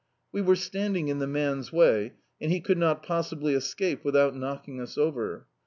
We were standing in the man's way, and he could not possibly escape without knocking us over.